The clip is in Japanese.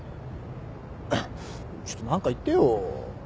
ちょっと何か言ってよ。